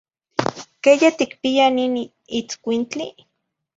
Queye ticpiyah nin itzcuintli?